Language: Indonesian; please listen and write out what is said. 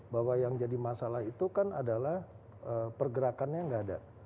bahwa yang jadi masalah itu kan adalah pergerakannya nggak ada